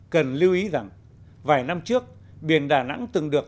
cần lưu ý rằng vài năm trước biển đà nẵng từng được